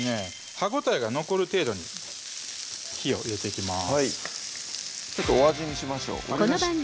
歯ごたえが残る程度に火を入れていきます